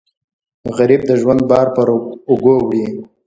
غریب د ژوند بار پر اوږو وړي